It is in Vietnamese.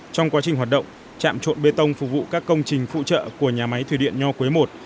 trong quá trình hoạt động trạm trộn bê tông phục vụ các công trình phụ trợ của nhà máy thủy điện nho quế i